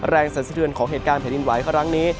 แรงสันสิทธิวันของเหตุการณ์แถวนี้